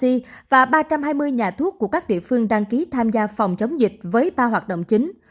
nhiều nhà thuốc phạm ma xi và ba trăm hai mươi nhà thuốc của các địa phương đang ký tham gia phòng chống dịch với ba hoạt động chính